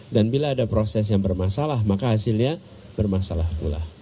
dan bila ada proses yang bermasalah maka hasilnya bermasalah pula